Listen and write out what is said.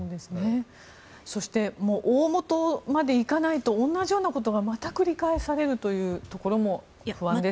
そして、大本まで行かないと同じようなことがまた繰り返されるというところも不安です。